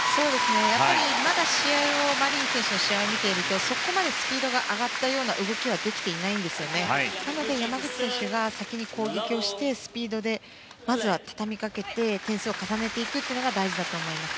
やはりマリン選手の試合を見ているとそこまでスピードが上がったような動きができていないので山口選手が先に攻撃をして、スピードでまずは、畳みかけて点数を重ねていくことが大事です。